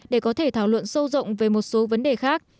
để có thể thảo luận sâu rộng về một số vấn đề khác